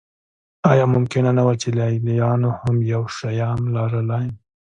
آیا ممکنه نه وه چې لېلیانو هم یو شیام لرلی